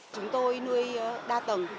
chúng tôi nuôi đa tầng